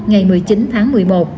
ngày một mươi chín tháng một mươi một